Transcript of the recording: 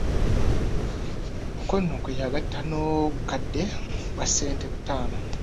Okwo nno kwe yagatta n'obukadde bwa ssente butaano.